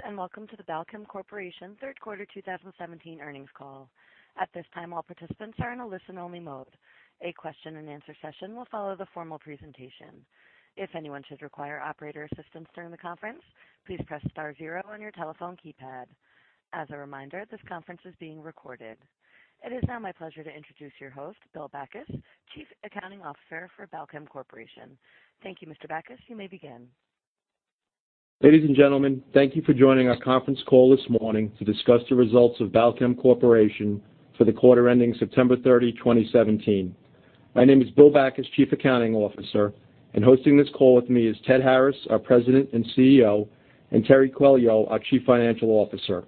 Greetings. Welcome to the Balchem Corporation third quarter 2017 earnings call. At this time, all participants are in a listen-only mode. A question and answer session will follow the formal presentation. If anyone should require operator assistance during the conference, please press star zero on your telephone keypad. As a reminder, this conference is being recorded. It is now my pleasure to introduce your host, Bill Backus, Chief Accounting Officer for Balchem Corporation. Thank you, Mr. Backus. You may begin. Ladies and gentlemen, thank you for joining our conference call this morning to discuss the results of Balchem Corporation for the quarter ending September 30, 2017. My name is Bill Backus, Chief Accounting Officer, and hosting this call with me is Ted Harris, our President and CEO, and Terry Coelho, our Chief Financial Officer.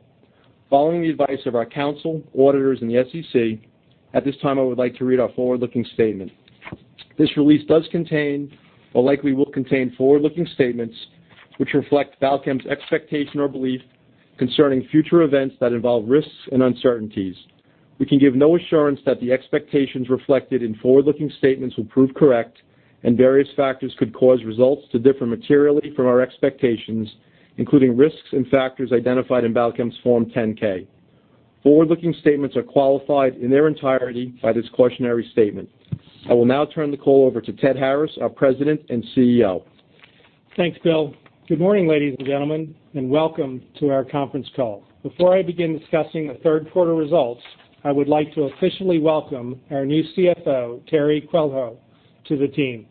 Following the advice of our council, auditors, and the SEC, at this time, I would like to read our forward-looking statement. This release does contain, or likely will contain, forward-looking statements which reflect Balchem's expectation or belief concerning future events that involve risks and uncertainties. We can give no assurance that the expectations reflected in forward-looking statements will prove correct, and various factors could cause results to differ materially from our expectations, including risks and factors identified in Balchem's Form 10-K. Forward-looking statements are qualified in their entirety by this cautionary statement. I will now turn the call over to Ted Harris, our President and CEO. Thanks, Bill. Good morning, ladies and gentlemen. Welcome to our conference call. Before I begin discussing the third quarter results, I would like to officially welcome our new CFO, Terry Coelho, to the team.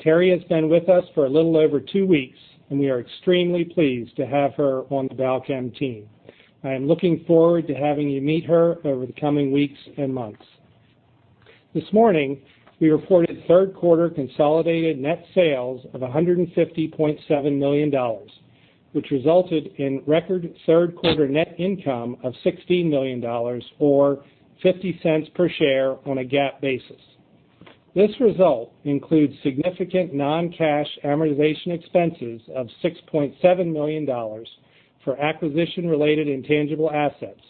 Terry has been with us for a little over two weeks, and we are extremely pleased to have her on the Balchem team. I am looking forward to having you meet her over the coming weeks and months. This morning, we reported third quarter consolidated net sales of $150.7 million, which resulted in record third quarter net income of $16 million, or $0.50 per share on a GAAP basis. This result includes significant non-cash amortization expenses of $6.7 million for acquisition-related intangible assets,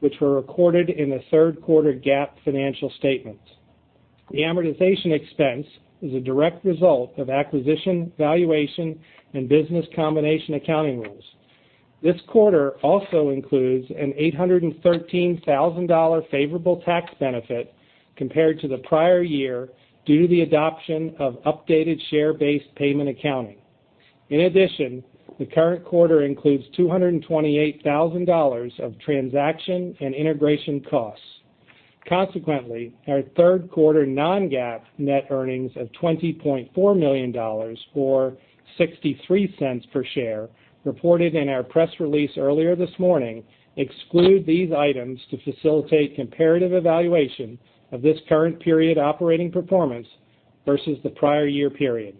which were recorded in the third quarter GAAP financial statements. The amortization expense is a direct result of acquisition, valuation, and business combination accounting rules. This quarter also includes an $813,000 favorable tax benefit compared to the prior year due to the adoption of updated share-based payment accounting. In addition, the current quarter includes $228,000 of transaction and integration costs. Consequently, our third quarter non-GAAP net earnings of $20.4 million, or $0.63 per share, reported in our press release earlier this morning exclude these items to facilitate comparative evaluation of this current period operating performance versus the prior year period.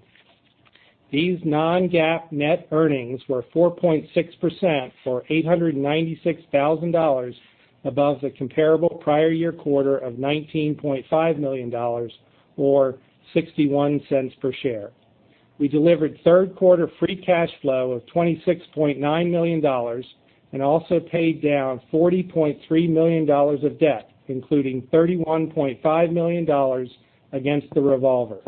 These non-GAAP net earnings were 4.6%, or $896,000 above the comparable prior year quarter of $19.5 million, or $0.61 per share. We delivered third quarter free cash flow of $26.9 million and also paid down $40.3 million of debt, including $31.5 million against the revolver.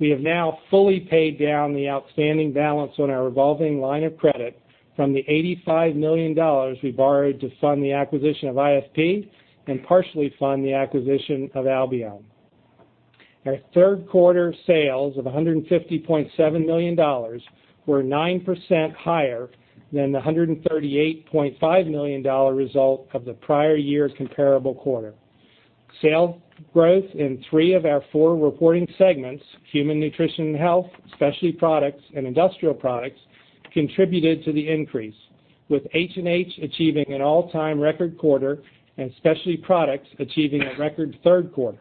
We have now fully paid down the outstanding balance on our revolving line of credit from the $85 million we borrowed to fund the acquisition of IFP and partially fund the acquisition of Albion. Our third quarter sales of $150.7 million were 9% higher than the $138.5 million result of the prior year comparable quarter. Sales growth in three of our four reporting segments, Human Nutrition & Health, Specialty Products, and Industrial Products, contributed to the increase, with H&H achieving an all-time record quarter and Specialty Products achieving a record third quarter.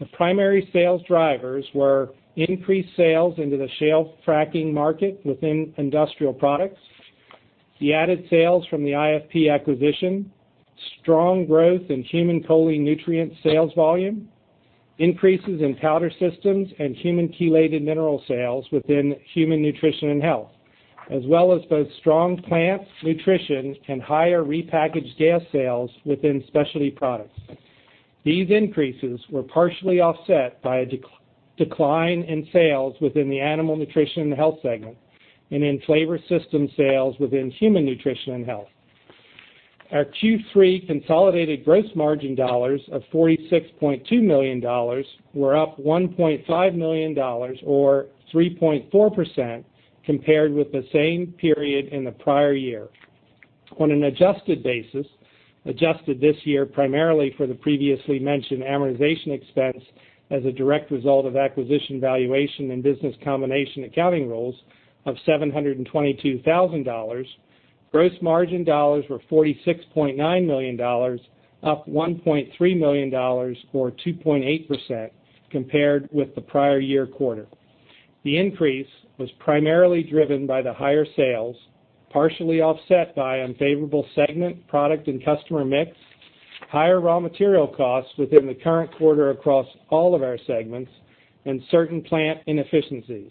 The primary sales drivers were increased sales into the shale fracking market within Industrial Products, the added sales from the IFP acquisition, strong growth in human choline nutrient sales volume, increases in powder systems, and human chelated mineral sales within Human Nutrition & Health, as well as both strong plant nutrition and higher repackaged gas sales within Specialty Products. These increases were partially offset by a decline in sales within the Animal Nutrition & Health segment and in flavor system sales within Human Nutrition & Health. Our Q3 consolidated gross margin dollars of $46.2 million were up $1.5 million, or 3.4%, compared with the same period in the prior year. On an adjusted basis, adjusted this year primarily for the previously mentioned amortization expense as a direct result of acquisition valuation and business combination accounting rules of $722,000, gross margin dollars were $46.9 million, up $1.3 million, or 2.8%, compared with the prior year quarter. The increase was primarily driven by the higher sales, partially offset by unfavorable segment, product, and customer mix, higher raw material costs within the current quarter across all of our segments, and certain plant inefficiencies.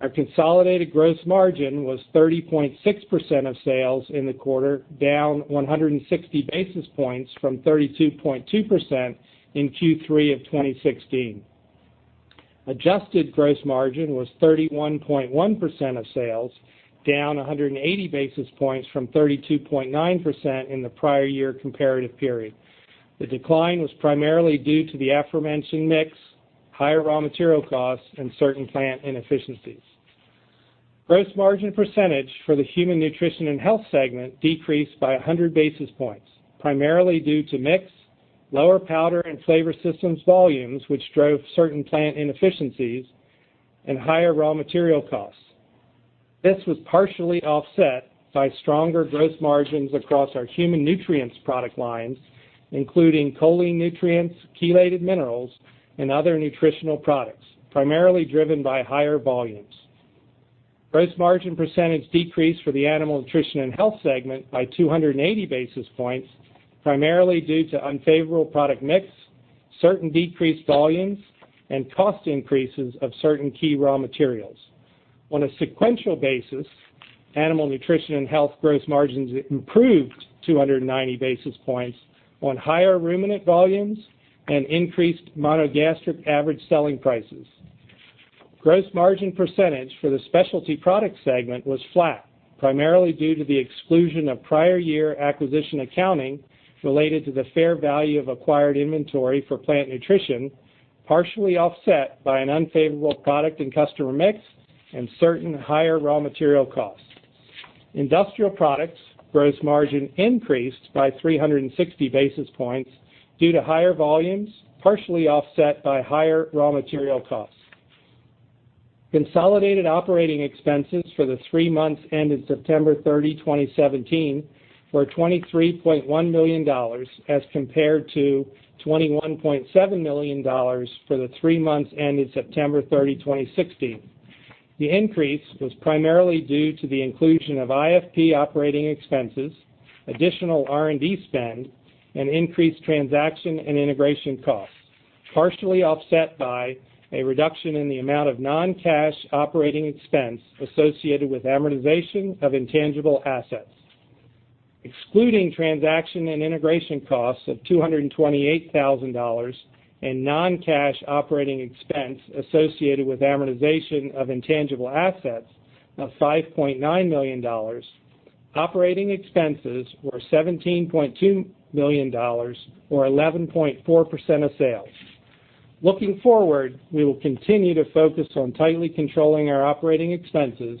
Our consolidated gross margin was 30.6% of sales in the quarter, down 160 basis points from 32.2% in Q3 of 2016. Adjusted gross margin was 31.1% of sales, down 180 basis points from 32.9% in the prior year comparative period. The decline was primarily due to the aforementioned mix, higher raw material costs, and certain plant inefficiencies. Gross margin percentage for the Human Nutrition & Health segment decreased by 100 basis points, primarily due to mix, lower powder and flavor systems volumes, which drove certain plant inefficiencies, and higher raw material costs. This was partially offset by stronger gross margins across our human nutrients product lines, including choline nutrients, chelated minerals, and other nutritional products, primarily driven by higher volumes. Gross margin percentage decreased for the Animal Nutrition & Health segment by 280 basis points, primarily due to unfavorable product mix, certain decreased volumes, and cost increases of certain key raw materials. On a sequential basis, Animal Nutrition & Health gross margins improved 290 basis points on higher ruminant volumes and increased monogastric average selling prices. Gross margin percentage for the Specialty Products segment was flat, primarily due to the exclusion of prior year acquisition accounting related to the fair value of acquired inventory for plant nutrition, partially offset by an unfavorable product and customer mix and certain higher raw material costs. Industrial Products gross margin increased by 360 basis points due to higher volumes, partially offset by higher raw material costs. Consolidated operating expenses for the three months ended September 30, 2017, were $23.1 million as compared to $21.7 million for the three months ended September 30, 2016. The increase was primarily due to the inclusion of IFP operating expenses, additional R&D spend, and increased transaction and integration costs, partially offset by a reduction in the amount of non-cash operating expense associated with amortization of intangible assets. Excluding transaction and integration costs of $228,000 and non-cash operating expense associated with amortization of intangible assets of $5.9 million, operating expenses were $17.2 million or 11.4% of sales. Looking forward, we will continue to focus on tightly controlling our operating expenses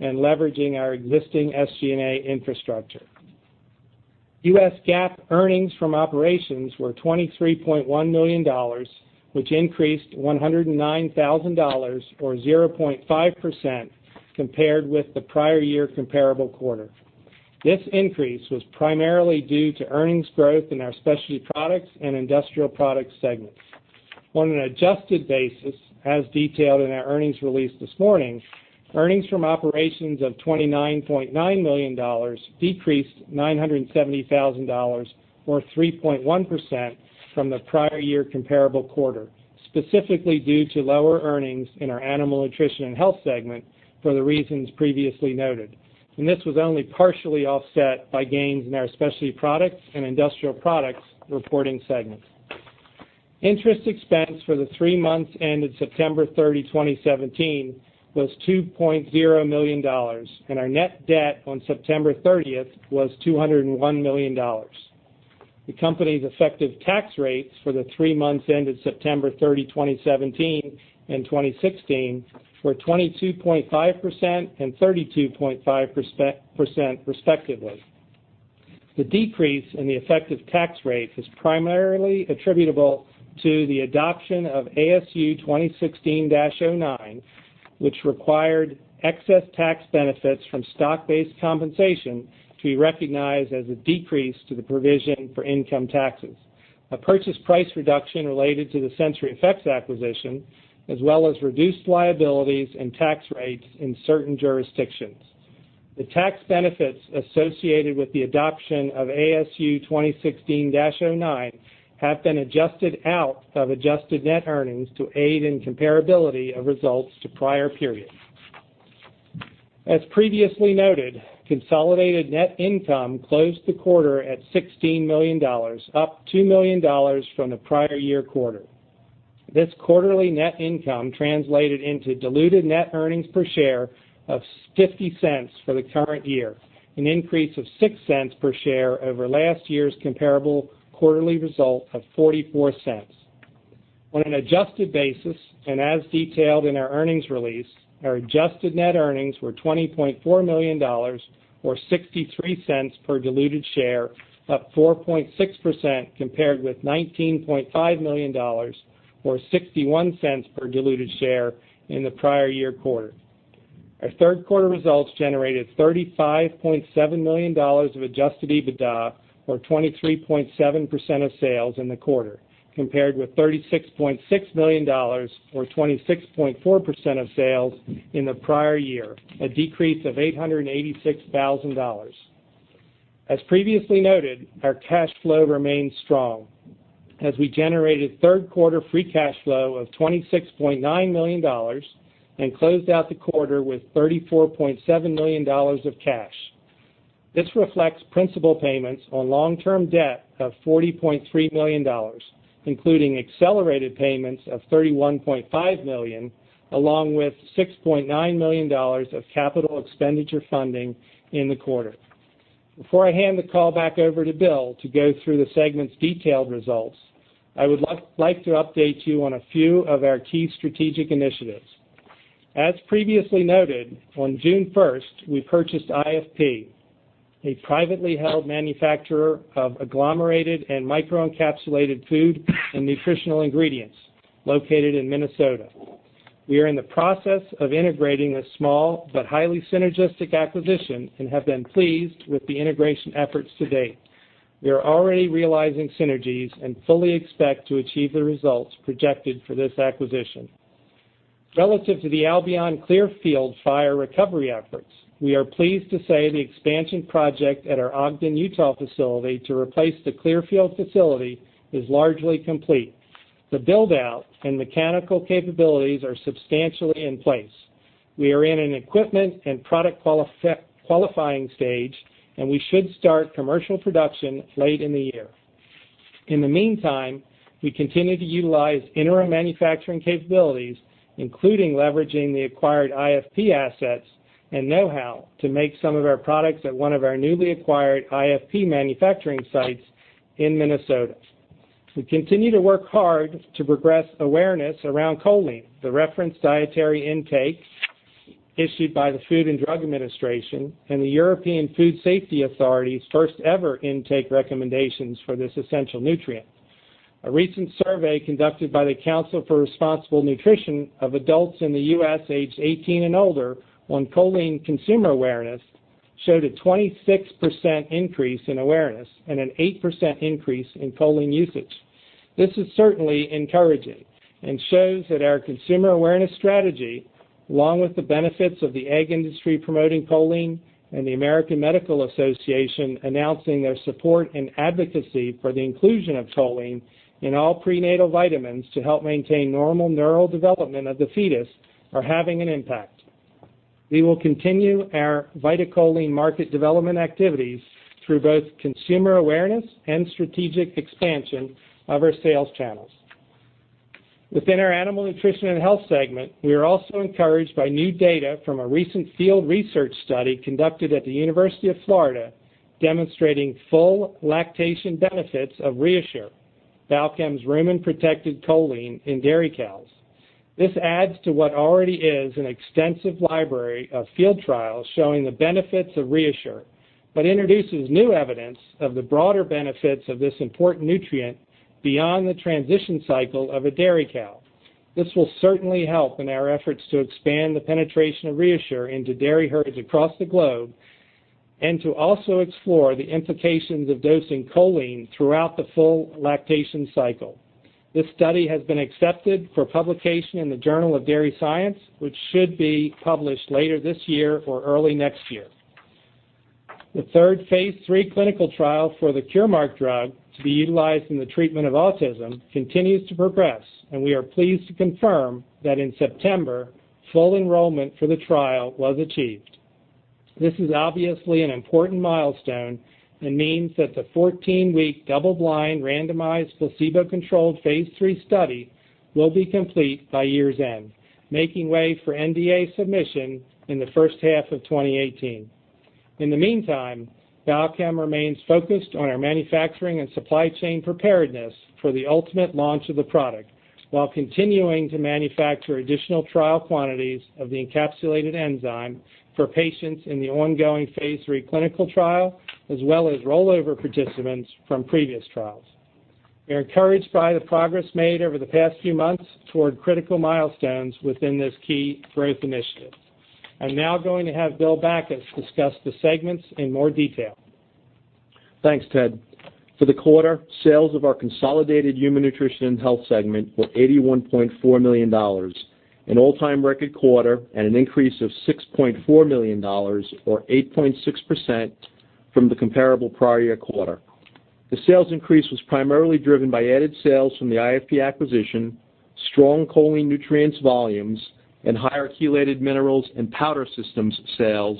and leveraging our existing SG&A infrastructure. U.S. GAAP earnings from operations were $23.1 million, which increased $109,000 or 0.5% compared with the prior year comparable quarter. This increase was primarily due to earnings growth in our Specialty Products and Industrial Products segments. On an adjusted basis, as detailed in our earnings release this morning, earnings from operations of $29.9 million decreased $970,000 or 3.1% from the prior year comparable quarter, specifically due to lower earnings in our Animal Nutrition & Health segment for the reasons previously noted. This was only partially offset by gains in our Specialty Products and Industrial Products reporting segments. Interest expense for the three months ended September 30, 2017, was $2.0 million, and our net debt on September 30th was $201 million. The company's effective tax rates for the three months ended September 30, 2017, and 2016, were 22.5% and 32.5%, respectively. The decrease in the effective tax rate is primarily attributable to the adoption of ASU 2016-09, which required excess tax benefits from stock-based compensation to be recognized as a decrease to the provision for income taxes, a purchase price reduction related to the SensoryEffects acquisition, as well as reduced liabilities and tax rates in certain jurisdictions. The tax benefits associated with the adoption of ASU 2016-09 have been adjusted out of adjusted net earnings to aid in comparability of results to prior periods. As previously noted, consolidated net income closed the quarter at $16 million, up $2 million from the prior year quarter. This quarterly net income translated into diluted net earnings per share of $0.50 for the current year, an increase of $0.06 per share over last year's comparable quarterly result of $0.44. On an adjusted basis, and as detailed in our earnings release, our adjusted net earnings were $20.4 million or $0.63 per diluted share, up 4.6% compared with $19.5 million or $0.61 per diluted share in the prior year quarter. Our third quarter results generated $35.7 million of adjusted EBITDA or 23.7% of sales in the quarter, compared with $36.6 million or 26.4% of sales in the prior year, a decrease of $886,000. As previously noted, our cash flow remains strong as we generated third quarter free cash flow of $26.9 million and closed out the quarter with $34.7 million of cash. This reflects principal payments on long-term debt of $40.3 million, including accelerated payments of $31.5 million, along with $6.9 million of capital expenditure funding in the quarter. Before I hand the call back over to Bill to go through the segment's detailed results, I would like to update you on a few of our key strategic initiatives. As previously noted, on June 1st, we purchased IFP, a privately held manufacturer of agglomerated and microencapsulated food and nutritional ingredients located in Minnesota. We are in the process of integrating a small but highly synergistic acquisition and have been pleased with the integration efforts to date. We are already realizing synergies and fully expect to achieve the results projected for this acquisition. Relative to the Albion Clearfield fire recovery efforts, we are pleased to say the expansion project at our Ogden, Utah facility to replace the Clearfield facility is largely complete. The build-out and mechanical capabilities are substantially in place. We are in an equipment and product qualifying stage, and we should start commercial production late in the year. In the meantime, we continue to utilize interim manufacturing capabilities, including leveraging the acquired IFP assets and know-how to make some of our products at one of our newly acquired IFP manufacturing sites in Minnesota. We continue to work hard to progress awareness around choline, the reference dietary intake issued by the Food and Drug Administration and the European Food Safety Authority's first-ever intake recommendations for this essential nutrient. A recent survey conducted by the Council for Responsible Nutrition of adults in the U.S. aged 18 and older on choline consumer awareness showed a 26% increase in awareness and an 8% increase in choline usage. This is certainly encouraging and shows that our consumer awareness strategy, along with the benefits of the egg industry promoting choline and the American Medical Association announcing their support and advocacy for the inclusion of choline in all prenatal vitamins to help maintain normal neural development of the fetus, are having an impact. We will continue our VitaCholine market development activities through both consumer awareness and strategic expansion of our sales channels. Within our Animal Nutrition & Health segment, we are also encouraged by new data from a recent field research study conducted at the University of Florida demonstrating full lactation benefits of ReaShure, Balchem's rumen-protected choline in dairy cows. This adds to what already is an extensive library of field trials showing the benefits of ReaShure, but introduces new evidence of the broader benefits of this important nutrient beyond the transition cycle of a dairy cow. This will certainly help in our efforts to expand the penetration of ReaShure into dairy herds across the globe and to also explore the implications of dosing choline throughout the full lactation cycle. This study has been accepted for publication in the "Journal of Dairy Science," which should be published later this year or early next year. The third phase III clinical trial for the Curemark drug to be utilized in the treatment of autism continues to progress, and we are pleased to confirm that in September, full enrollment for the trial was achieved. This is obviously an important milestone and means that the 14-week, double-blind, randomized, placebo-controlled phase III study will be complete by year's end, making way for NDA submission in the first half of 2018. In the meantime, Balchem remains focused on our manufacturing and supply chain preparedness for the ultimate launch of the product while continuing to manufacture additional trial quantities of the encapsulated enzyme for patients in the ongoing phase III clinical trial, as well as rollover participants from previous trials. We are encouraged by the progress made over the past few months toward critical milestones within this key growth initiative. I'm now going to have Bill Backus discuss the segments in more detail. Thanks, Ted. For the quarter, sales of our consolidated Human Nutrition & Health segment were $81.4 million, an all-time record quarter, and an increase of $6.4 million, or 8.6% from the comparable prior year quarter. The sales increase was primarily driven by added sales from the IFP acquisition, strong choline nutrients volumes, and higher chelated minerals and powder systems sales,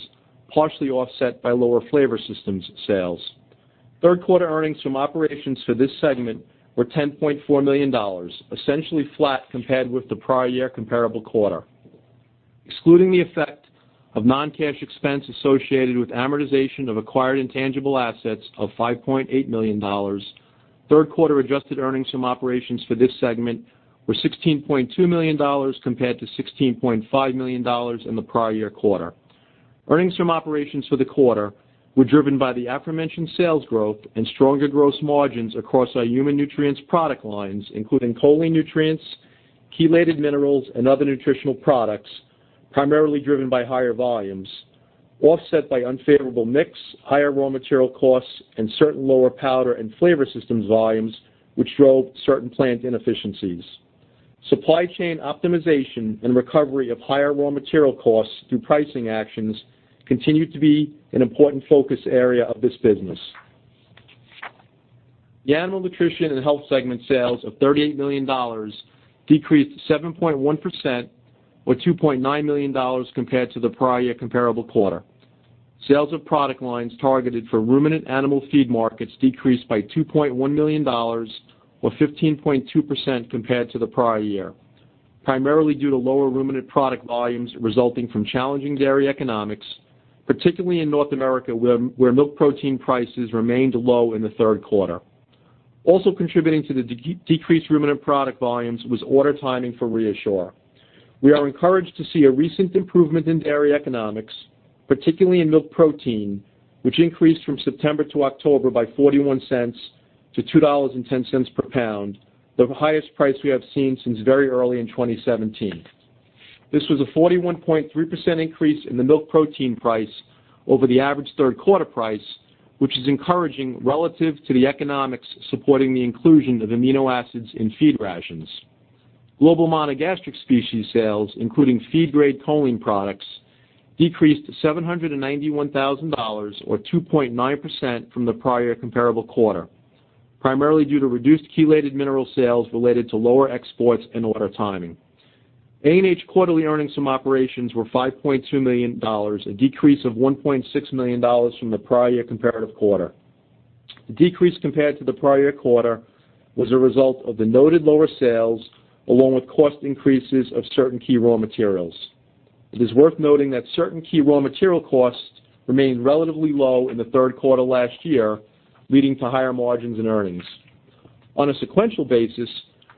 partially offset by lower flavor systems sales. Third quarter earnings from operations for this segment were $10.4 million, essentially flat compared with the prior year comparable quarter. Excluding the effect of non-cash expense associated with amortization of acquired intangible assets of $5.8 million, third quarter adjusted earnings from operations for this segment were $16.2 million compared to $16.5 million in the prior year quarter. Earnings from operations for the quarter were driven by the aforementioned sales growth and stronger gross margins across our human nutrients product lines, including choline nutrients, chelated minerals, and other nutritional products, primarily driven by higher volumes, offset by unfavorable mix, higher raw material costs, and certain lower powder and flavor systems volumes, which drove certain plant inefficiencies. Supply chain optimization and recovery of higher raw material costs through pricing actions continue to be an important focus area of this business. The Animal Nutrition & Health segment sales of $38 million decreased 7.1%, or $2.9 million compared to the prior year comparable quarter. Sales of product lines targeted for ruminant animal feed markets decreased by $2.9 million, or 15.2% compared to the prior year, primarily due to lower ruminant product volumes resulting from challenging dairy economics, particularly in North America, where milk protein prices remained low in the third quarter. Also contributing to the decreased ruminant product volumes was order timing for ReaShure. We are encouraged to see a recent improvement in dairy economics, particularly in milk protein, which increased from September to October by $0.41 to $2.10 per pound, the highest price we have seen since very early in 2017. This was a 41.3% increase in the milk protein price over the average third quarter price, which is encouraging relative to the economics supporting the inclusion of amino acids in feed rations. Global monogastric species sales, including feed-grade choline products, decreased $791,000, or 2.9% from the prior comparable quarter, primarily due to reduced chelated mineral sales related to lower exports and order timing. A&H quarterly earnings from operations were $5.2 million, a decrease of $1.6 million from the prior year comparative quarter. The decrease compared to the prior year quarter was a result of the noted lower sales, along with cost increases of certain key raw materials. It is worth noting that certain key raw material costs remained relatively low in the third quarter last year, leading to higher margins and earnings. On a sequential basis,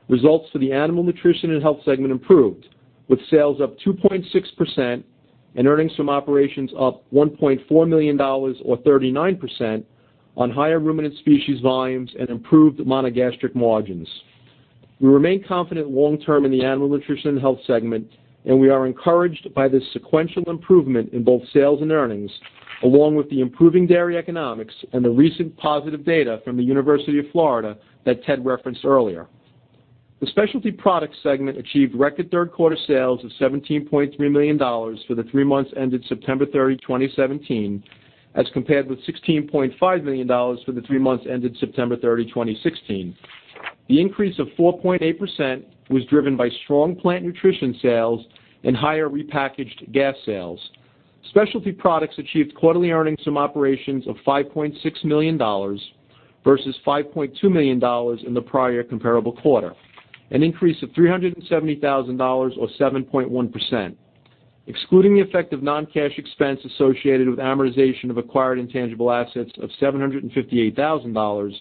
results for the Animal Nutrition & Health segment improved, with sales up 2.6% and earnings from operations up $1.4 million, or 39%, on higher ruminant species volumes and improved monogastric margins. We remain confident long term in the Animal Nutrition & Health segment, and we are encouraged by this sequential improvement in both sales and earnings, along with the improving dairy economics and the recent positive data from the University of Florida that Ted referenced earlier. The Specialty Products segment achieved record third quarter sales of $17.3 million for the three months ended September 30, 2017, as compared with $16.5 million for the three months ended September 30, 2016. The increase of 4.8% was driven by strong plant nutrition sales and higher repackaged gas sales. Specialty Products achieved quarterly earnings from operations of $5.6 million versus $5.2 million in the prior comparable quarter, an increase of $370,000 or 7.1%. Excluding the effect of non-cash expense associated with amortization of acquired intangible assets of $758,000,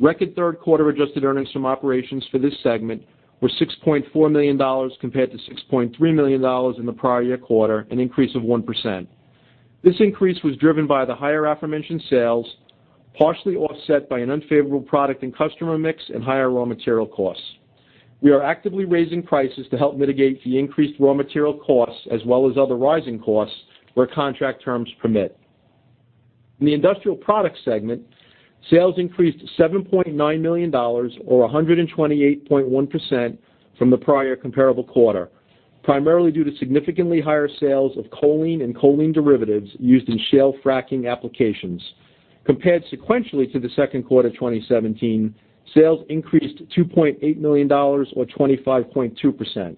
record third quarter adjusted earnings from operations for this segment were $6.4 million compared to $6.3 million in the prior year quarter, an increase of 1%. This increase was driven by the higher aforementioned sales, partially offset by an unfavorable product and customer mix and higher raw material costs. We are actively raising prices to help mitigate the increased raw material costs as well as other rising costs where contract terms permit. In the Industrial Products segment, sales increased $7.9 million, or 128.1%, from the prior comparable quarter, primarily due to significantly higher sales of choline and choline derivatives used in shale fracking applications. Compared sequentially to the second quarter 2017, sales increased $2.8 million, or 25.2%.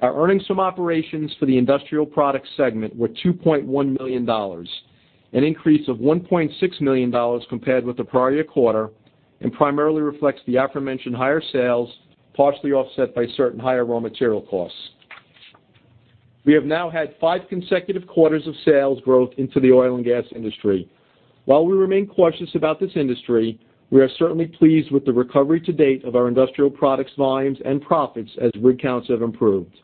Our earnings from operations for the Industrial Products segment were $2.1 million, an increase of $1.6 million compared with the prior year quarter, and primarily reflects the aforementioned higher sales, partially offset by certain higher raw material costs. We have now had five consecutive quarters of sales growth into the oil and gas industry. While we remain cautious about this industry, we are certainly pleased with the recovery to date of our Industrial Products volumes and profits as rig counts have improved.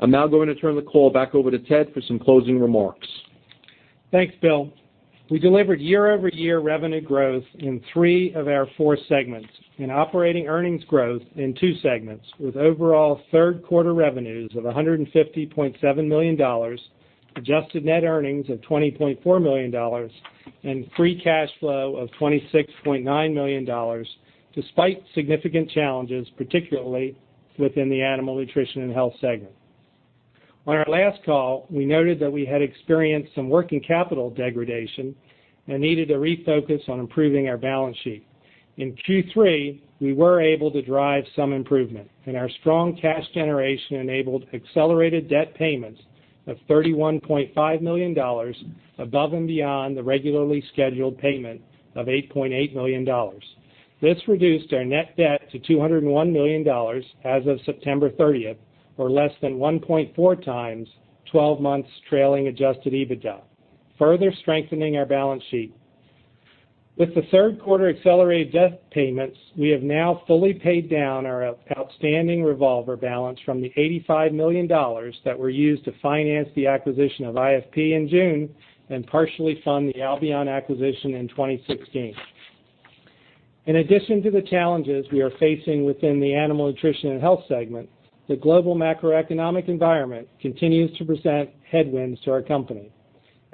I'm now going to turn the call back over to Ted for some closing remarks. Thanks, Bill. We delivered year-over-year revenue growth in three of our four segments and operating earnings growth in two segments, with overall third quarter revenues of $150.7 million, adjusted net earnings of $20.4 million, and free cash flow of $26.9 million, despite significant challenges, particularly within the Animal Nutrition & Health segment. On our last call, we noted that we had experienced some working capital degradation and needed to refocus on improving our balance sheet. In Q3, we were able to drive some improvement, and our strong cash generation enabled accelerated debt payments of $31.5 million above and beyond the regularly scheduled payment of $8.8 million. This reduced our net debt to $201 million as of September 30th, or less than 1.4 times 12 months trailing adjusted EBITDA, further strengthening our balance sheet. With the third quarter accelerated debt payments, we have now fully paid down our outstanding revolver balance from the $85 million that were used to finance the acquisition of IFP in June and partially fund the Albion acquisition in 2016. In addition to the challenges we are facing within the Animal Nutrition & Health segment, the global macroeconomic environment continues to present headwinds to our company.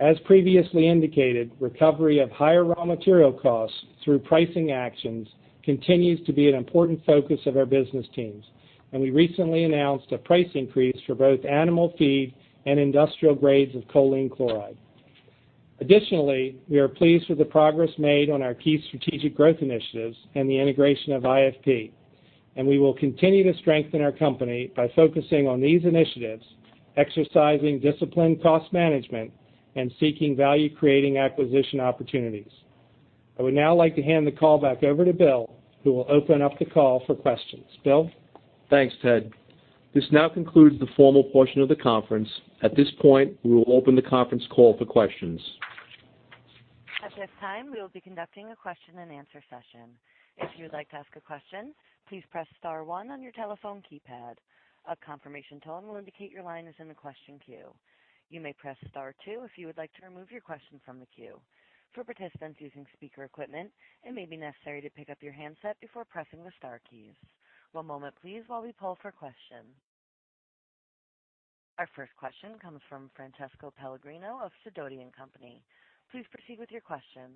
As previously indicated, recovery of higher raw material costs through pricing actions continues to be an important focus of our business teams, and we recently announced a price increase for both animal feed and industrial grades of choline chloride. Additionally, we are pleased with the progress made on our key strategic growth initiatives and the integration of IFP. We will continue to strengthen our company by focusing on these initiatives, exercising disciplined cost management, and seeking value-creating acquisition opportunities. I would now like to hand the call back over to Bill, who will open up the call for questions. Bill? Thanks, Ted. This now concludes the formal portion of the conference. At this point, we will open the conference call for questions. At this time, we will be conducting a question and answer session. If you would like to ask a question, please press star one on your telephone keypad. A confirmation tone will indicate your line is in the question queue. You may press star two if you would like to remove your question from the queue. For participants using speaker equipment, it may be necessary to pick up your handset before pressing the star keys. One moment please, while we poll for questions. Our first question comes from Francesco Pellegrino of Sidoti & Company. Please proceed with your question.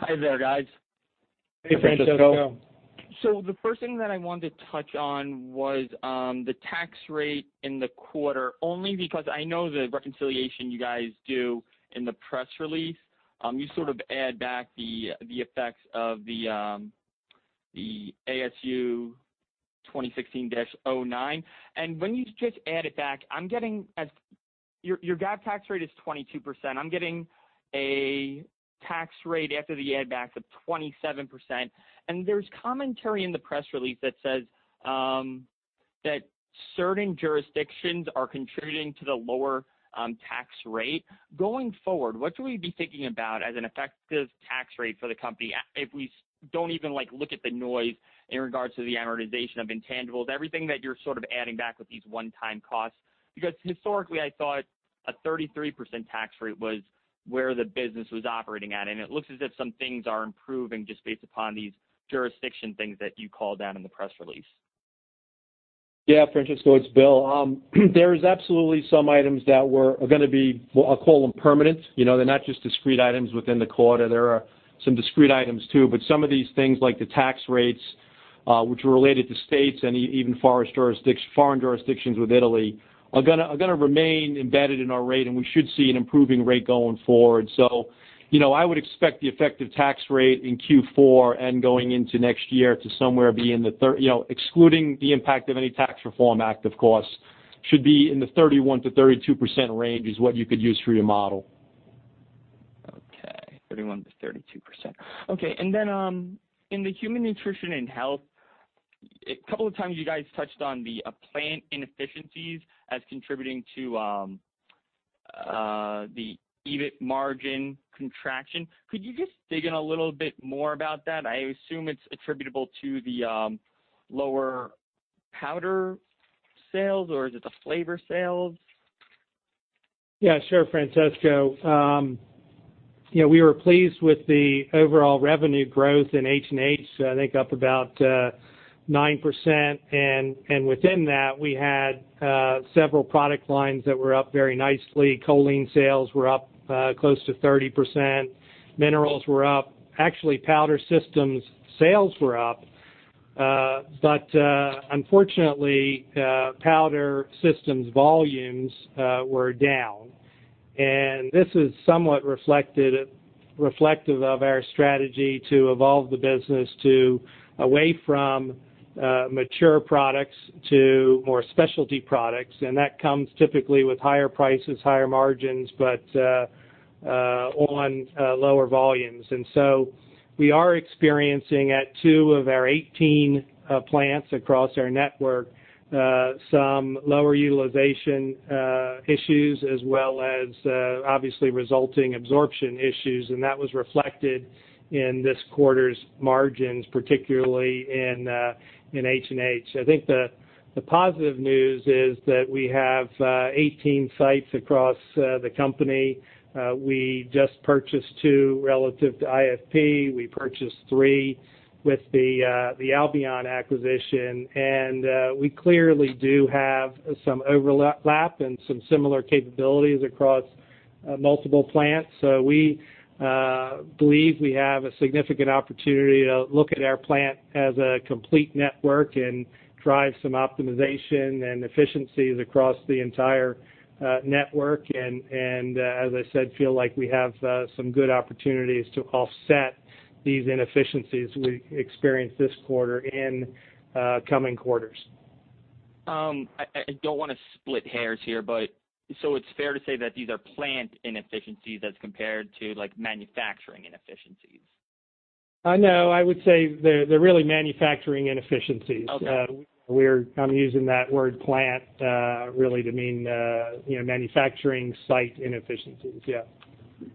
Hi there, guys. Hey, Francesco. Hey, Francesco. The first thing that I wanted to touch on was the tax rate in the quarter. Only because I know the reconciliation you guys do in the press release. You sort of add back the effects of the ASU 2016-09, and when you just add it back, your GAAP tax rate is 22%. I'm getting a tax rate after the add back of 27%. There's commentary in the press release that says that certain jurisdictions are contributing to the lower tax rate. Going forward, what should we be thinking about as an effective tax rate for the company? If we don't even look at the noise in regards to the amortization of intangibles, everything that you're sort of adding back with these one-time costs. Historically, I thought a 33% tax rate was where the business was operating at, and it looks as if some things are improving just based upon these jurisdiction things that you called out in the press release. Yeah, Francesco, it's Bill. There's absolutely some items that are going to be, I'll call them permanent. They're not just discrete items within the quarter. There are some discrete items, too, but some of these things like the tax rates, which are related to states and even foreign jurisdictions with Italy, are going to remain embedded in our rate, and we should see an improving rate going forward. I would expect the effective tax rate in Q4 and going into next year to somewhere be in the-- excluding the impact of any tax reform act, of course, should be in the 31%-32% range is what you could use for your model. Okay. 31%-32%. Then in the Human Nutrition & Health, a couple of times you guys touched on the plant inefficiencies as contributing to the EBIT margin contraction. Could you just dig in a little bit more about that? I assume it's attributable to the lower powder sales, or is it the flavor sales? Yeah, sure, Francesco. We were pleased with the overall revenue growth in H&H, I think up about 9%. Within that, we had several product lines that were up very nicely. choline sales were up close to 30%. Minerals were up. Actually, powder systems sales were up. Unfortunately, powder systems volumes were down. This is somewhat reflective of our strategy to evolve the business away from mature products to more specialty products. That comes typically with higher prices, higher margins, but on lower volumes. So we are experiencing at two of our 18 plants across our network, some lower utilization issues as well as obviously resulting absorption issues. That was reflected in this quarter's margins, particularly in H&H. I think the positive news is that we have 18 sites across the company. We just purchased two relative to IFP. We purchased three with the Albion acquisition. We clearly do have some overlap and some similar capabilities across multiple plants. We believe we have a significant opportunity to look at our plant as a complete network and drive some optimization and efficiencies across the entire network. As I said, feel like we have some good opportunities to offset these inefficiencies we experienced this quarter in coming quarters. I don't want to split hairs here. So it's fair to say that these are plant inefficiencies as compared to manufacturing inefficiencies? No, I would say they are really manufacturing inefficiencies. Okay. I am using that word plant really to mean manufacturing site inefficiencies, yeah.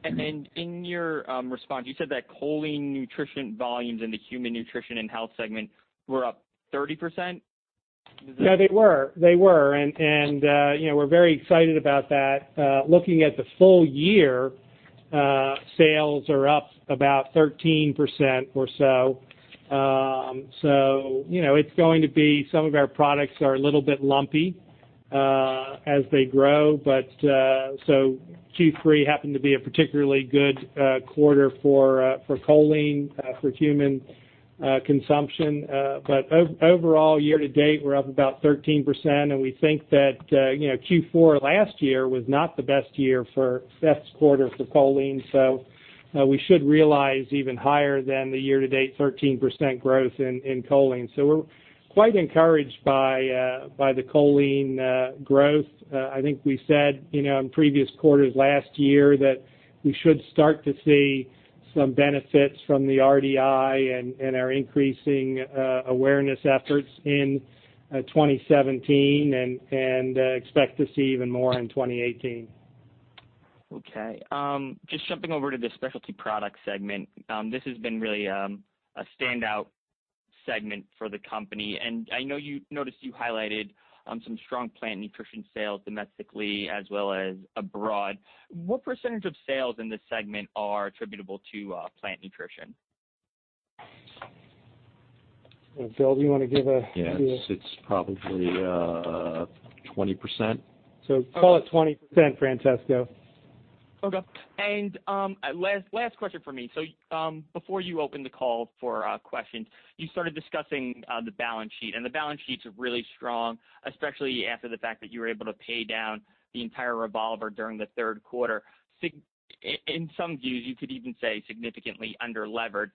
In your response, you said that choline nutrition volumes in the Human Nutrition & Health segment were up 30%? Is that? Yeah, they were. We are very excited about that. Looking at the full year, sales are up about 13% or so. It is going to be some of our products are a little bit lumpy as they grow. Q3 happened to be a particularly good quarter for choline, for human consumption. Overall, year-to-date, we are up about 13%, and we think that Q4 last year was not the best quarter for choline, so we should realize even higher than the year-to-date 13% growth in choline. We are quite encouraged by the choline growth. I think we said in previous quarters last year that we should start to see some benefits from the RDI and our increasing awareness efforts in 2017 and expect to see even more in 2018. Okay. Just jumping over to the Specialty Products segment. This has been really a standout segment for the company. I know you noticed you highlighted some strong plant nutrition sales domestically as well as abroad. What percentage of sales in this segment are attributable to plant nutrition? Bill, do you want to give? Yes, it's probably 20%. Call it 20%, Francesco. Okay. Last question from me. Before you opened the call for questions, you started discussing the balance sheet, and the balance sheet's really strong, especially after the fact that you were able to pay down the entire revolver during the third quarter. In some views, you could even say significantly under-levered.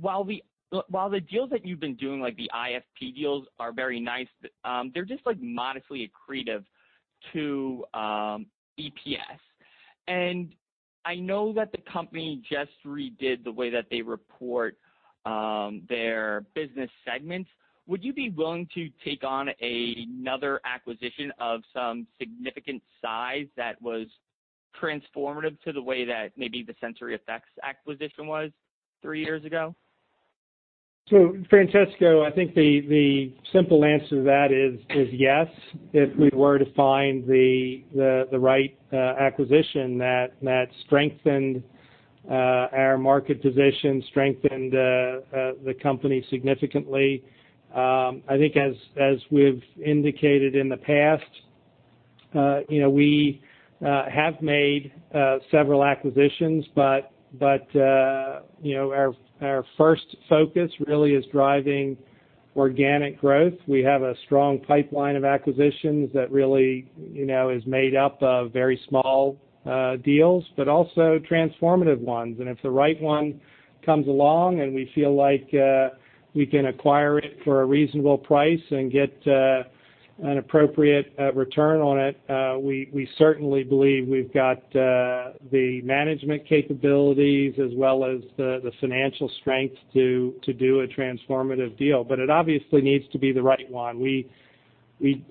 While the deals that you've been doing, like the IFP deals, are very nice, they're just modestly accretive to EPS. I know that the company just redid the way that they report their business segments. Would you be willing to take on another acquisition of some significant size that was transformative to the way that maybe the SensoryEffects acquisition was three years ago? Francesco, I think the simple answer to that is yes. If we were to find the right acquisition that strengthened our market position, strengthened the company significantly. I think as we've indicated in the past, we have made several acquisitions, but our first focus really is driving organic growth. We have a strong pipeline of acquisitions that really is made up of very small deals, but also transformative ones. If the right one comes along and we feel like we can acquire it for a reasonable price and get an appropriate return on it, we certainly believe we've got the management capabilities as well as the financial strength to do a transformative deal. It obviously needs to be the right one. We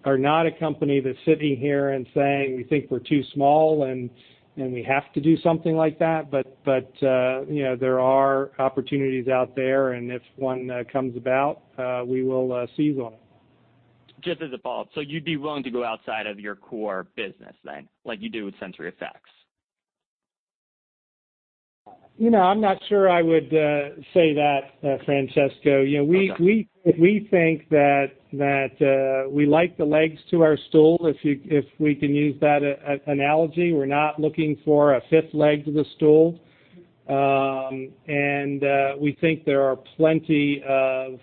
are not a company that's sitting here and saying we think we're too small, and we have to do something like that, but there are opportunities out there, and if one comes about, we will seize on it. Just as a follow-up. You'd be willing to go outside of your core business then, like you do with SensoryEffects? I'm not sure I would say that, Francesco. Okay. We think that we like the legs to our stool, if we can use that analogy. We're not looking for a fifth leg to the stool. We think there are plenty of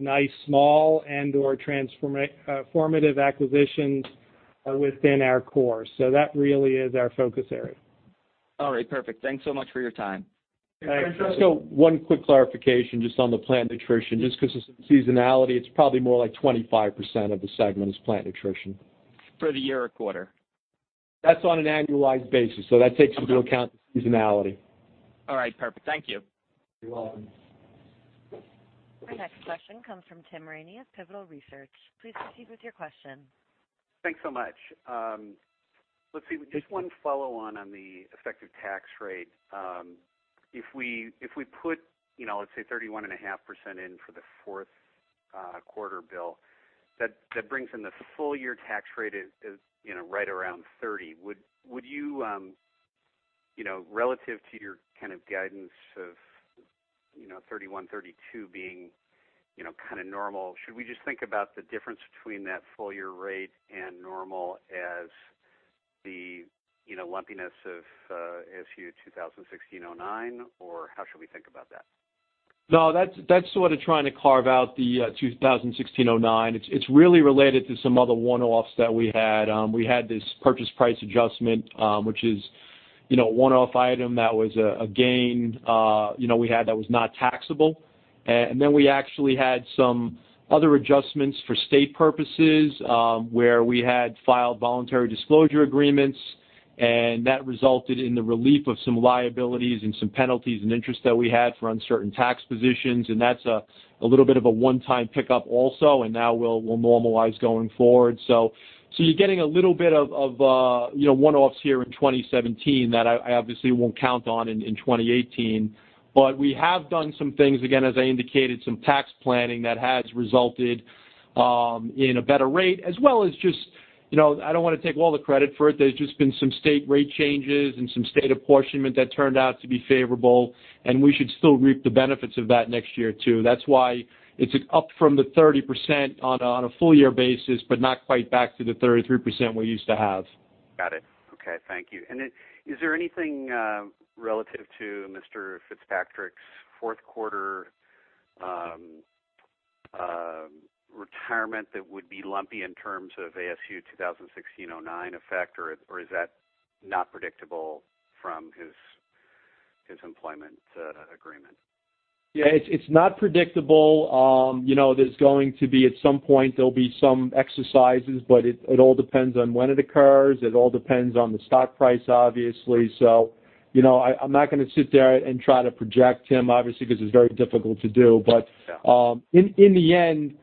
nice, small and/or transformative acquisitions within our core. That really is our focus area. All right, perfect. Thanks so much for your time. Thanks. Francesco, one quick clarification just on the plant nutrition. Just because of seasonality, it's probably more like 25% of the segment is plant nutrition. For the year or quarter? That's on an annualized basis, so that takes into account the seasonality. All right, perfect. Thank you. You're welcome. Our next question comes from Timothy Ramey of Pivotal Research. Please proceed with your question. Thanks so much. Let's see. Just one follow-on the effective tax rate. If we put, let's say, 31.5% in for the fourth quarter, Bill, that brings in the full-year tax rate is right around 30. Relative to your kind of guidance of 31, 32 being kind of normal, should we just think about the difference between that full-year rate and normal as the lumpiness of ASU 2016-09? How should we think about that? No, that's sort of trying to carve out the 2016-09. It's really related to some other one-offs that we had. We had this purchase price adjustment, which is a one-off item that was a gain we had that was not taxable. Then we actually had some other adjustments for state purposes, where we had filed voluntary disclosure agreements, and that resulted in the relief of some liabilities and some penalties and interest that we had for uncertain tax positions. That's a little bit of a one-time pickup also, and that will normalize going forward. You're getting a little bit of one-offs here in 2017 that I obviously won't count on in 2018. We have done some things, again, as I indicated, some tax planning that has resulted in a better rate as well as just, I don't want to take all the credit for it. There's just been some state rate changes and some state apportionment that turned out to be favorable. We should still reap the benefits of that next year, too. That's why it's up from the 30% on a full-year basis, but not quite back to the 33% we used to have. Got it. Okay. Thank you. Is there anything relative to Mr. Fitzpatrick's fourth quarter retirement that would be lumpy in terms of ASU 2016-09 effect, or is that not predictable from his employment agreement? Yeah, it's not predictable. There's going to be, at some point, there will be some exercises, but it all depends on when it occurs. It all depends on the stock price, obviously. I'm not going to sit there and try to project him, obviously, because it's very difficult to do. Yeah. In the end,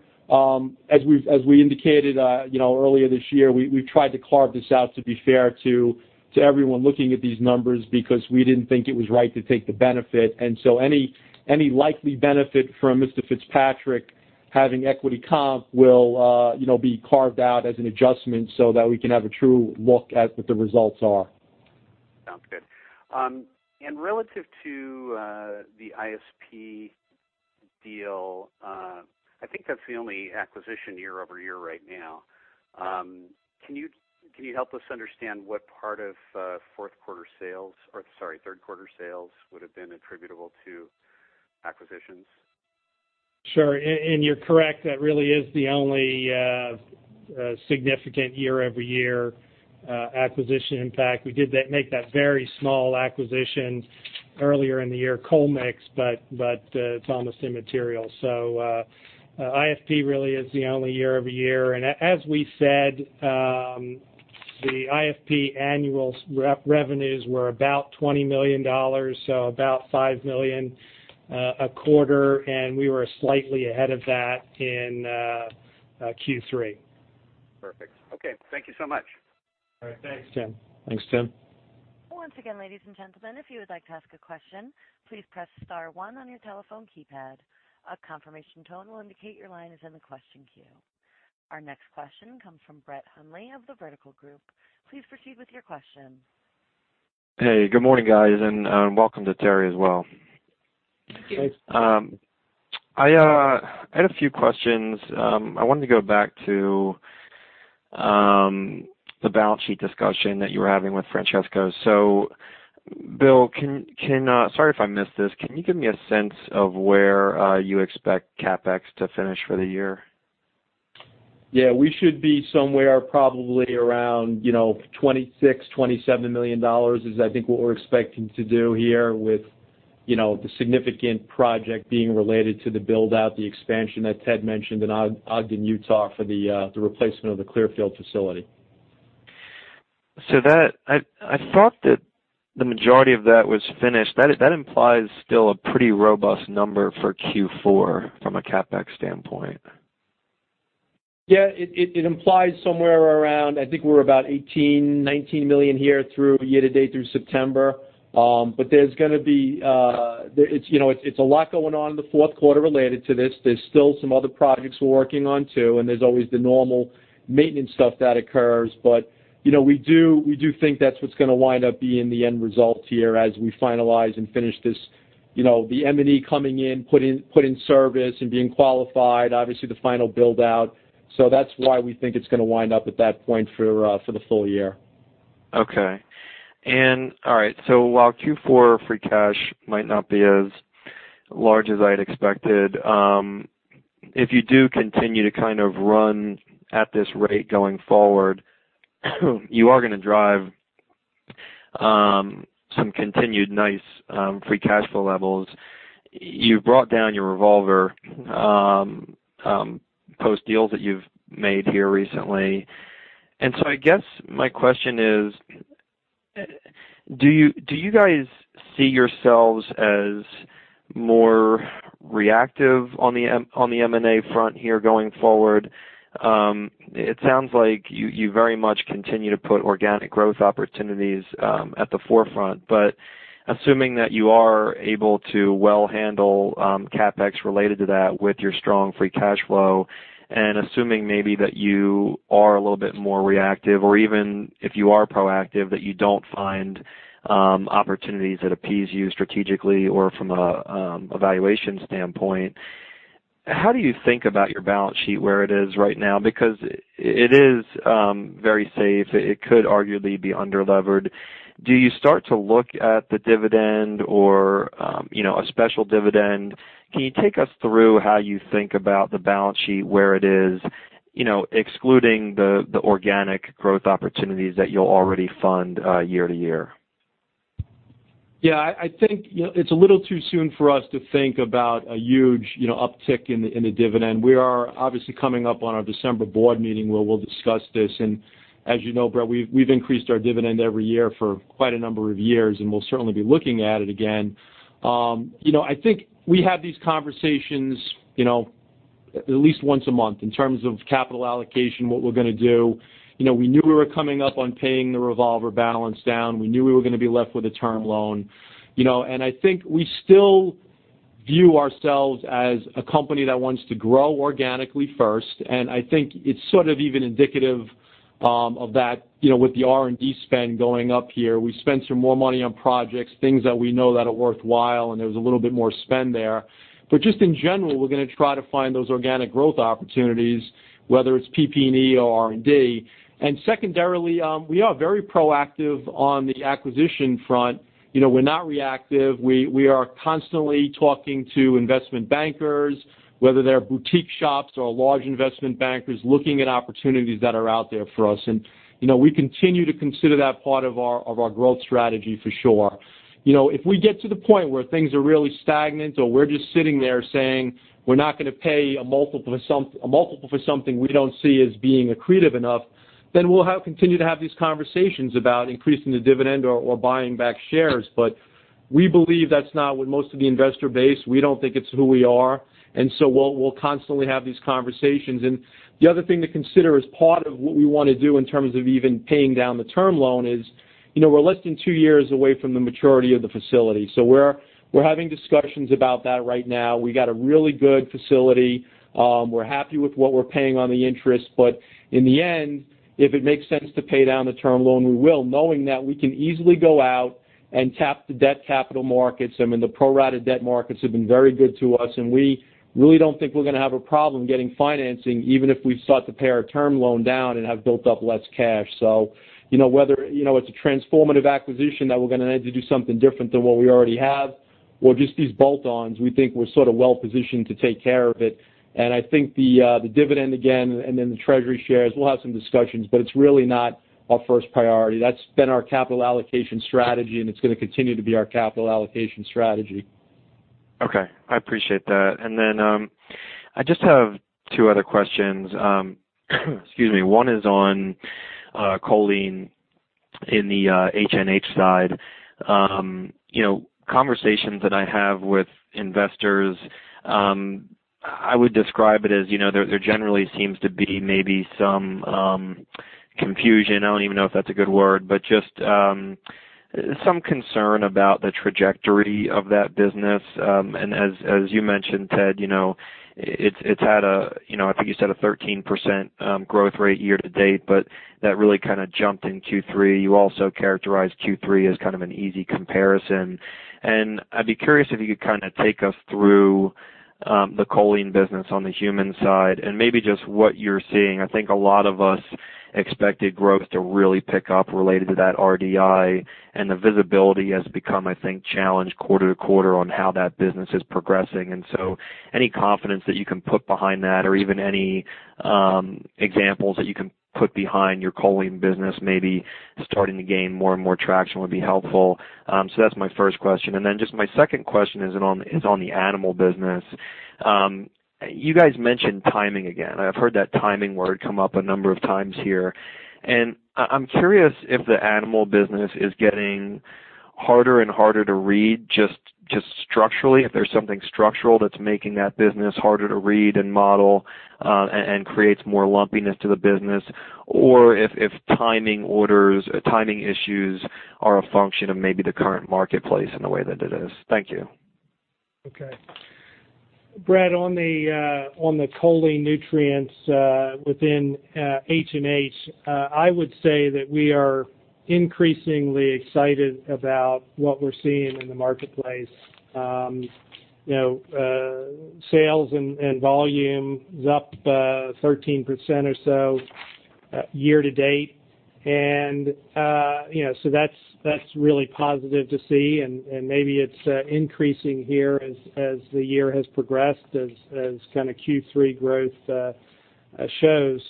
as we indicated earlier this year, we tried to carve this out to be fair to everyone looking at these numbers because we didn't think it was right to take the benefit. Any likely benefit from Mr. Fitzpatrick having equity comp will be carved out as an adjustment so that we can have a true look at what the results are. Sounds good. Relative to the IFP deal, I think that's the only acquisition year-over-year right now. Yeah. Can you help us understand what part of fourth quarter sales, or, sorry, third quarter sales would've been attributable to acquisitions? Sure. You're correct, that really is the only significant year-over-year acquisition impact. We did make that very small acquisition earlier in the year, Colmex, it's almost immaterial. IFP really is the only year-over-year. As we said, the IFP annual revenues were about $20 million, about $5 million a quarter, and we were slightly ahead of that in Q3. Perfect. Okay. Thank you so much. All right. Thanks, Tim. Thanks, Tim. Once again, ladies and gentlemen, if you would like to ask a question, please press star one on your telephone keypad. A confirmation tone will indicate your line is in the question queue. Our next question comes from Brett Hundley of The Vertical Group. Please proceed with your question. Hey, good morning, guys, and welcome to Terry as well. Thank you. Thanks. I had a few questions. I wanted to go back to the balance sheet discussion that you were having with Francesco. Bill, sorry if I missed this. Can you give me a sense of where you expect CapEx to finish for the year? Yeah, we should be somewhere probably around $26 million-$27 million is, I think, what we're expecting to do here with the significant project being related to the build-out, the expansion that Ted mentioned in Ogden, Utah, for the replacement of the Clearfield facility. That, I thought that the majority of that was finished. That implies still a pretty robust number for Q4 from a CapEx standpoint. Yeah, it implies somewhere around, I think we're about $18 million-$19 million here through year to date through September. There's going to be It's a lot going on in the fourth quarter related to this. There's still some other projects we're working on, too, and there's always the normal maintenance stuff that occurs. We do think that's what's going to wind up being the end result here as we finalize and finish this, the M&E coming in, put in service and being qualified, obviously the final build-out. That's why we think it's going to wind up at that point for the full year. Okay. All right, while Q4 free cash might not be as large as I'd expected, if you do continue to kind of run at this rate going forward, you are going to drive some continued nice free cash flow levels. You brought down your revolver post-deal that you've made here recently. I guess my question is, do you guys see yourselves as more reactive on the M&A front here going forward? It sounds like you very much continue to put organic growth opportunities at the forefront, assuming that you are able to well handle CapEx related to that with your strong free cash flow, and assuming maybe that you are a little bit more reactive or even if you are proactive, that you don't find opportunities that appease you strategically or from a valuation standpoint, how do you think about your balance sheet, where it is right now? Because it is very safe. It could arguably be under-levered. Do you start to look at the dividend or a special dividend? Can you take us through how you think about the balance sheet, where it is excluding the organic growth opportunities that you'll already fund year to year? Yeah, I think it's a little too soon for us to think about a huge uptick in the dividend. We are obviously coming up on our December board meeting where we'll discuss this, as you know, Brett, we've increased our dividend every year for quite a number of years, and we'll certainly be looking at it again. I think we have these conversations at least once a month in terms of capital allocation, what we're going to do. We knew we were coming up on paying the revolver balance down. We knew we were going to be left with a term loan. I think we still view ourselves as a company that wants to grow organically first, and I think it's sort of even indicative of that with the R&D spend going up here. We spent some more money on projects, things that we know that are worthwhile, and there was a little bit more spend there. Just in general, we're going to try to find those organic growth opportunities, whether it's PP&E or R&D. Secondarily, we are very proactive on the acquisition front. We're not reactive. We are constantly talking to investment bankers, whether they're boutique shops or large investment bankers, looking at opportunities that are out there for us. We continue to consider that part of our growth strategy for sure. If we get to the point where things are really stagnant or we're just sitting there saying we're not going to pay a multiple for something we don't see as being accretive enough, then we'll continue to have these conversations about increasing the dividend or buying back shares. We believe that's not what most of the investor base, we don't think it's who we are. We'll constantly have these conversations. The other thing to consider as part of what we want to do in terms of even paying down the term loan is, we're less than two years away from the maturity of the facility. We're having discussions about that right now. We got a really good facility. We're happy with what we're paying on the interest. In the end, if it makes sense to pay down the term loan, we will, knowing that we can easily go out and tap the debt capital markets. I mean, the pro rata debt markets have been very good to us, and we really don't think we're going to have a problem getting financing, even if we sought to pay our term loan down and have built up less cash. Whether it's a transformative acquisition that we're going to have to do something different than what we already have or just these bolt-ons, we think we're sort of well-positioned to take care of it. I think the dividend again, and then the treasury shares, we'll have some discussions, but it's really not our first priority. That's been our capital allocation strategy, and it's going to continue to be our capital allocation strategy. Okay. I appreciate that. I just have two other questions. Excuse me. One is on choline in the H&H side. Conversations that I have with investors, I would describe it as, there generally seems to be maybe some confusion. I don't even know if that's a good word, but just some concern about the trajectory of that business. As you mentioned, Ted, I think you said a 13% growth rate year-to-date, that really kind of jumped in Q3. You also characterized Q3 as kind of an easy comparison. I'd be curious if you could kind of take us through the choline business on the human side and maybe just what you're seeing. I think a lot of us expected growth to really pick up related to that RDI, the visibility has become, I think, challenged quarter-to-quarter on how that business is progressing. Any confidence that you can put behind that or even any examples that you can put behind your choline business, maybe starting to gain more and more traction would be helpful. That's my first question. Just my second question is on the animal business. You guys mentioned timing again. I've heard that timing word come up a number of times here. I'm curious if the animal business is getting harder and harder to read, just structurally, if there's something structural that's making that business harder to read and model, and creates more lumpiness to the business, or if timing issues are a function of maybe the current marketplace in the way that it is. Thank you. Okay. Brett, on the choline nutrients within H&H, I would say that we are increasingly excited about what we're seeing in the marketplace. Sales and volume is up 13% or so year to date. So that's really positive to see. Maybe it's increasing here as the year has progressed as kind of Q3 growth shows.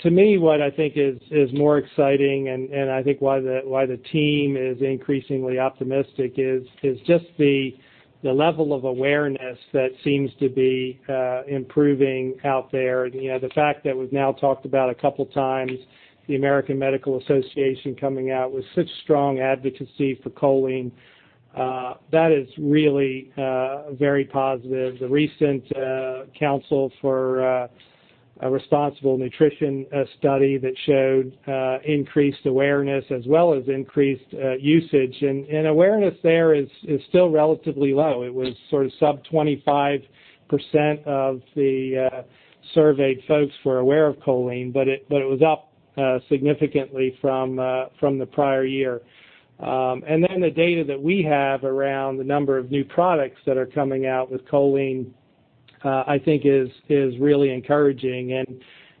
To me, what I think is more exciting and I think why the team is increasingly optimistic is just the level of awareness that seems to be improving out there. The fact that we've now talked about a couple of times the American Medical Association coming out with such strong advocacy for choline, that is really very positive. The recent Council for Responsible Nutrition study that showed increased awareness as well as increased usage. Awareness there is still relatively low. It was sort of sub 25% of the surveyed folks were aware of choline, but it was up significantly from the prior year. Then the data that we have around the number of new products that are coming out with choline, I think is really encouraging.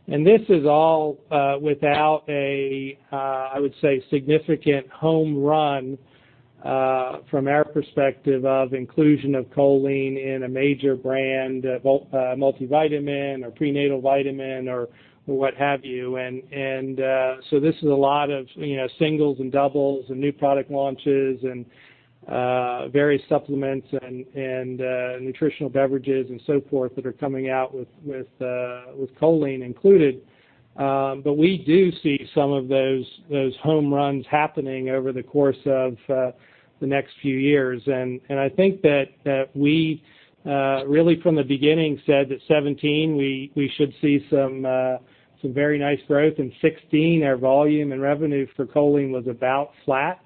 This is all without a, I would say, significant home run from our perspective of inclusion of choline in a major brand multivitamin or prenatal vitamin or what have you. So this is a lot of singles and doubles and new product launches and various supplements and nutritional beverages and so forth that are coming out with choline included. We do see some of those home runs happening over the course of the next few years. I think that we really from the beginning said that 2017, we should see some very nice growth. In 2016, our volume and revenue for choline was about flat.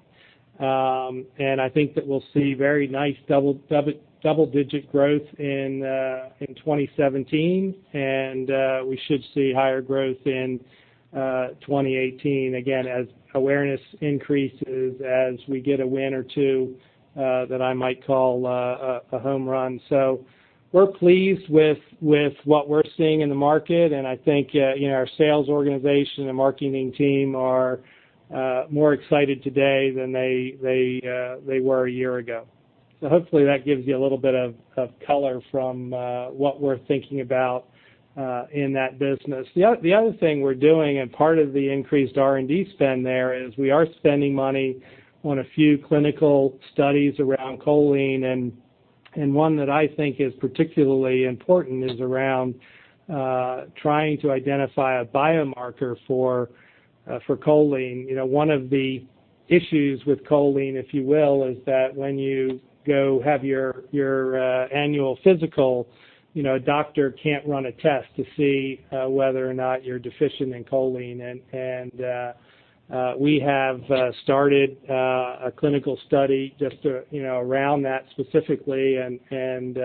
I think that we'll see very nice double-digit growth in 2017. We should see higher growth in 2018, again, as awareness increases, as we get a win or two that I might call a home run. We're pleased with what we're seeing in the market, and I think our sales organization and marketing team are more excited today than they were a year ago. Hopefully that gives you a little bit of color from what we're thinking about in that business. The other thing we're doing, and part of the increased R&D spend there is we are spending money on a few clinical studies around choline, and one that I think is particularly important is around trying to identify a biomarker for choline. One of the issues with choline, if you will, is that when you go have your annual physical, a doctor can't run a test to see whether or not you're deficient in choline. We have started a clinical study just around that specifically and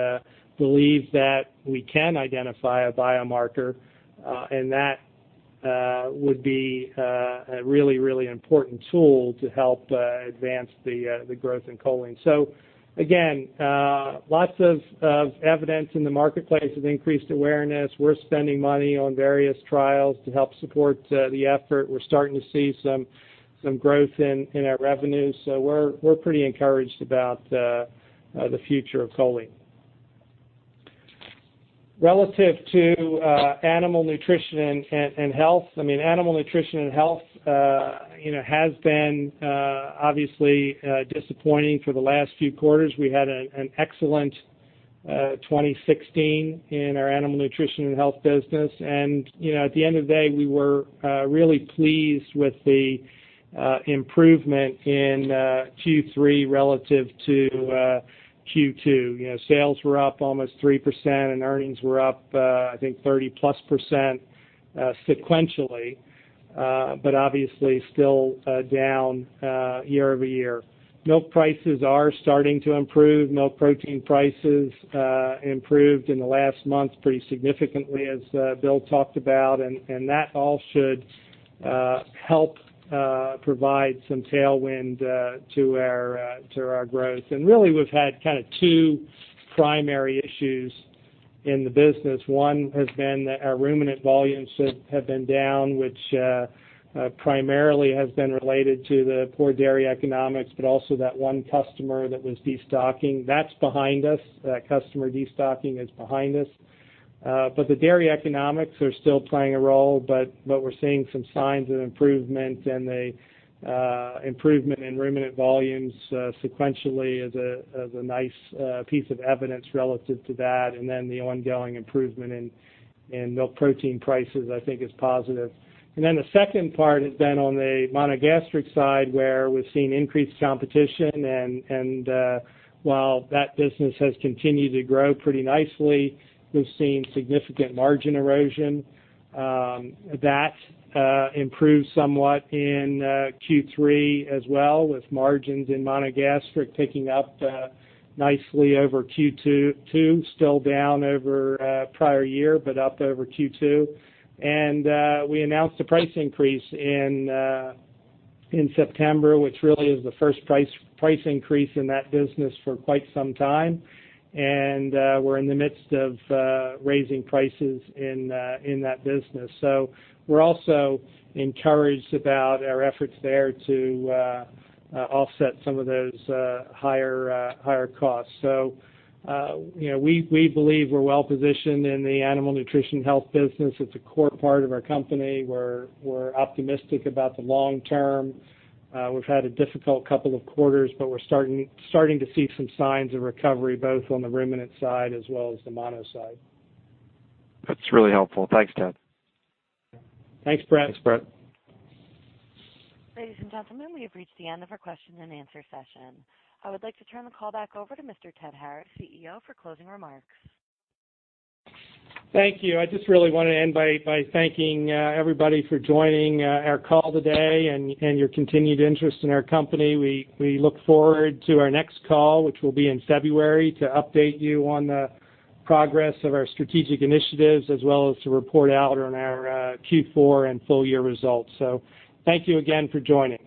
believe that we can identify a biomarker, and that would be a really important tool to help advance the growth in choline. Again, lots of evidence in the marketplace of increased awareness. We're spending money on various trials to help support the effort. We're starting to see some growth in our revenues. We're pretty encouraged about the future of choline. Relative to Animal Nutrition & Health, Animal Nutrition & Health has been obviously disappointing for the last few quarters. We had an excellent 2016 in our Animal Nutrition & Health business. At the end of the day, we were really pleased with the improvement in Q3 relative to Q2. Sales were up almost 3%, and earnings were up, I think, 30-plus percent sequentially. Obviously still down year-over-year. Milk prices are starting to improve. Milk protein prices improved in the last month pretty significantly, as Bill talked about. That all should help provide some tailwind to our growth. Really, we've had kind of two primary issues in the business. One has been that our ruminant volumes have been down, which primarily has been related to the poor dairy economics, but also that one customer that was destocking. That's behind us. That customer destocking is behind us. The dairy economics are still playing a role. We're seeing some signs of improvement, and the improvement in ruminant volumes sequentially is a nice piece of evidence relative to that. The ongoing improvement in milk protein prices, I think, is positive. The second part has been on the monogastric side, where we've seen increased competition. While that business has continued to grow pretty nicely, we've seen significant margin erosion. That improved somewhat in Q3 as well, with margins in monogastric ticking up nicely over Q2. Still down over prior year, but up over Q2. We announced a price increase in September, which really is the first price increase in that business for quite some time. We're in the midst of raising prices in that business. We're also encouraged about our efforts there to offset some of those higher costs. We believe we're well positioned in the Animal Nutrition & Health business. It's a core part of our company. We're optimistic about the long term. We've had a difficult couple of quarters, but we're starting to see some signs of recovery, both on the ruminant side as well as the mono side. That's really helpful. Thanks, Ted. Thanks, Brett. Thanks, Brett. Ladies and gentlemen, we have reached the end of our question and answer session. I would like to turn the call back over to Mr. Ted Harris, CEO, for closing remarks. Thank you. I just really want to end by thanking everybody for joining our call today and your continued interest in our company. We look forward to our next call, which will be in February, to update you on the progress of our strategic initiatives, as well as to report out on our Q4 and full-year results. Thank you again for joining.